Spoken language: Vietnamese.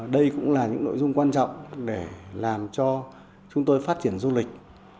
đây cũng là những nội dung quan trọng để làm cho chúng tôi phát triển du lịch